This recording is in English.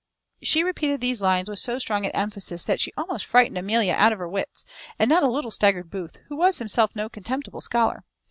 _ She repeated these lines with so strong an emphasis, that she almost frightened Amelia out of her wits, and not a little staggered Booth, who was himself no contemptible scholar.